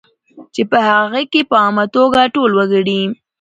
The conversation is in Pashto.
چې په هغې کې په عامه توګه ټول وګړي